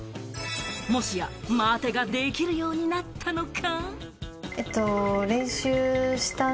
もし待てができるようになったのか？